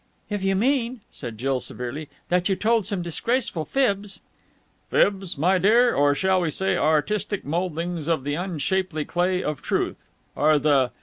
"If you mean," said Jill severely, "that you told some disgraceful fibs...." "Fibs, my dear or shall we say, artistic mouldings of the unshapely clay of truth are the